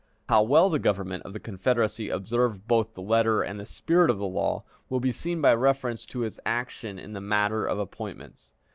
How well the Government of the Confederacy observed both the letter and the spirit of the law will be seen by reference to its action in the matter of appointments.